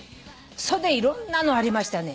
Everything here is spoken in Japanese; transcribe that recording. いろんなのありましたね。